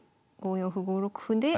５四歩５六歩で。